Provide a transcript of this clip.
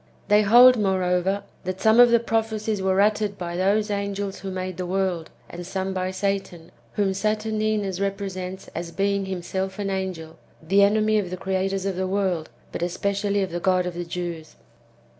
They hold, moreover, that some of the prophecies were uttered by those angels who made the world, and some by Satan ; whom Saturn inus represents as being himself an angel, the enemy of the creators of the world, but especially of the God of the Jews.